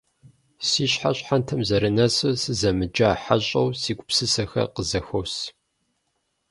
Си щхьэр щхьэнтэм зэрынэсу, сызэмыджа хьэщӏэу си гупсысэхэр къызэхуос.